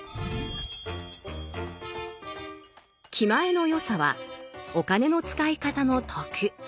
「気前の良さ」はお金の使い方の徳。